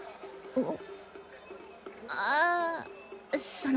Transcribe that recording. あっ！